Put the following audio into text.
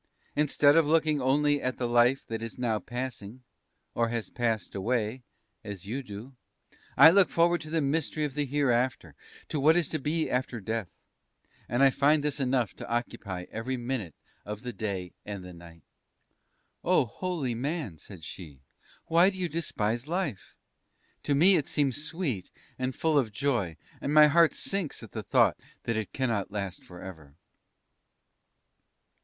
Instead of looking only at the life that is now passing, or has passed away as you do I look forward to the mystery of the hereafter, to what is to be after death. And I find this enough to occupy every minute of the day and the night!" "Oh, Holy Man," said she: "why do you despise life? To me it seems sweet and full of joy, and my heart sinks at the thought that it cannot last forever!"...